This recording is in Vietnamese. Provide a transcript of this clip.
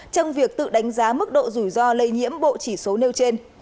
trong việc tự đánh giá mức độ rủi ro lây nhiễm bộ chỉ số nêu trên